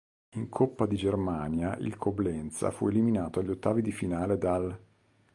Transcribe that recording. In Coppa di Germania il Coblenza fu eliminato agli ottavi di finale dall'.